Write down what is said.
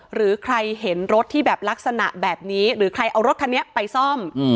หรือใครเห็นรถที่แบบลักษณะแบบนี้หรือใครเอารถคันนี้ไปซ่อม